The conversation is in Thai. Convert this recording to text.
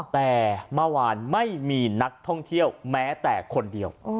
แต่เมื่อวานไม่มีนักท่องเที่ยวแม้แต่คนเดียว